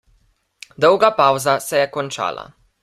Dolga pavza se je končala.